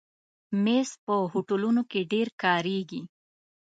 مېز په هوټلونو کې ډېر کارېږي.